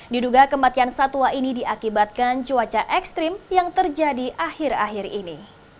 diduga kematian satwa ini diakibatkan cuaca ekstrim yang terjadi akhir akhir ini